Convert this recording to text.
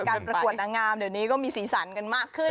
ประกวดนางงามเดี๋ยวนี้ก็มีสีสันกันมากขึ้น